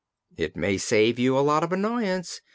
"It may save you a lot of annoyance.